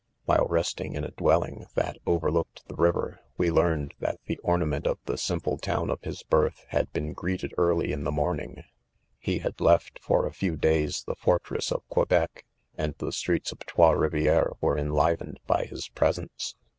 "WMle resting riniVjai. ;' dwelling that overlooked the river, we learned that the or nament of the simple town of his birth htuSr been' greeted early in the morning,, He had lefty ;fdrta: few days, the fortress of Quebec^ and' the streets of Trots 'Rivieres were enliven ed by his presence.